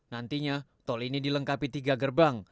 nantinya tol ini dilengkapi tiga gerbang